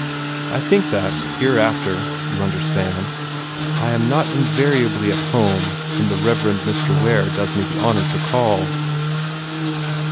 I think that hereafter you understand? I am not invariably at home when the Rev. Mr. Ware does me the honor to call."